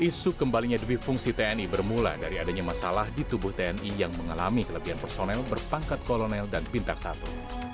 isu kembalinya dewi fungsi tni bermula dari adanya masalah di tubuh tni yang mengalami kelebihan personel berpangkat kolonel dan bintang satu